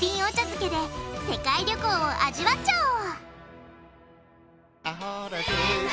漬けで世界旅行を味わっちゃおう！